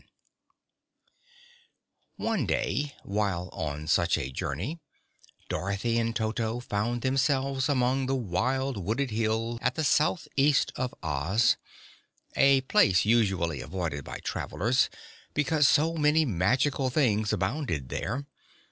One day while on such a journey, Dorothy and Toto found themselves among the wild wooded hills at the southeast of Oz a place usually avoided by travelers because so many magical things abounded there.